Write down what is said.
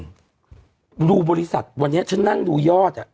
ดูบริษัทวันนี้ฉันนั่งดูยอดอ่ะ